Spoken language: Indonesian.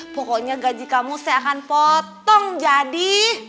pokoknya gaji kamu saya akan potong jadi